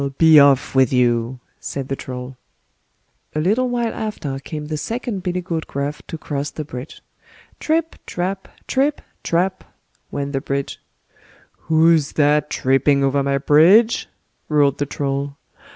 be off with you", said the Troll. A little while after came the second billy goat Gruff to cross the bridge. "TRIP, TRAP! TRIP, TRAP! TRIP, TRAP!" went the bridge. "WHO'S THAT tripping over my bridge?" roared the Troll.